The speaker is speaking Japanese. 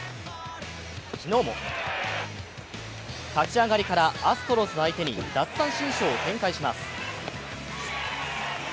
昨日も、立ち上がりからアストロズ相手に奪三振ショーを展開します。